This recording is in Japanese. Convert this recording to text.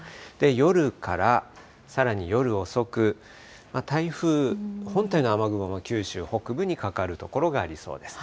夜からさらに夜遅く、台風本体の雨雲が九州北部にかかる所がありそうです。